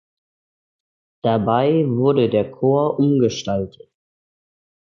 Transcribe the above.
Dabei wurde der Chor umgestaltet.